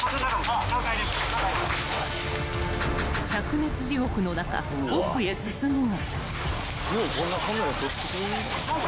［灼熱地獄の中奥へ進むが］